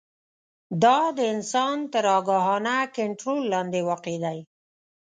دا د انسان تر آګاهانه کنټرول لاندې واقع دي.